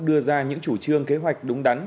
đưa ra những chủ trương kế hoạch đúng đắn